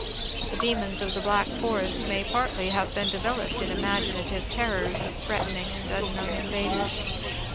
The demons of the Black Forest may i)artly have been developed in imaginative terrors of threatening and unknown invaders.